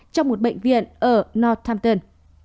trong một bệnh viện ở northampton